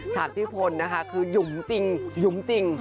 ฉากที่พลนะคะคือหยุมจริงหยุมจริง